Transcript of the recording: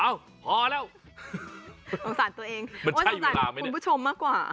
อ้าวพอแล้วมันใช่เวลาไหมเนี่ย